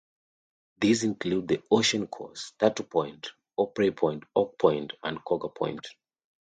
These include the Ocean Course, Turtle Point, Osprey Point, Oak Point, and Cougar Point.